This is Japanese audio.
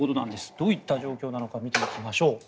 どういった状況なのか見ていきましょう。